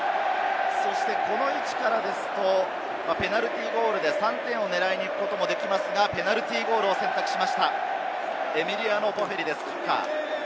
この位置からですと、ペナルティーゴールで３点を狙いに行くこともできますが、ペナルティーゴールを選択しました、エミリアノ・ボフェリです。